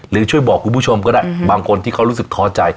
หรือช่วยบอกคุณผู้ชมก็ได้บางคนที่เขารู้สึกท้อใจ